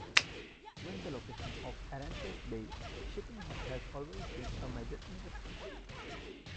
Given the location of Aransas bay, shipping has always been a major industry.